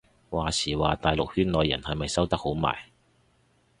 話時話大陸圈內人係咪收得好埋